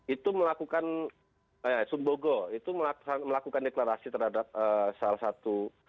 itu melakukan deklarasi terhadap salah satu